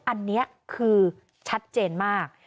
อันนี้คือชัดเจนมาก